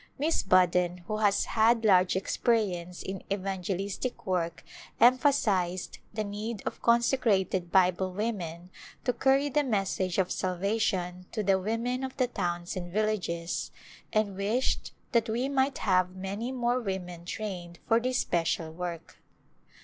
Miss Budden who has had large experience in. evangelistic work emphasized the need of consecrated Bible women to carry the message of salvation to the women of the towns and villages, and wished that we might have many more women trained for this special work.